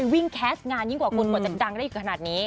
แคสต์งานยิ่งกว่าคุณกว่าจะดังได้อีกขนาดนี้